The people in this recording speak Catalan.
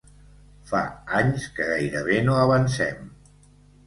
Fa anys que gairebé no avancem.